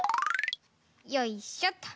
よいしょっと。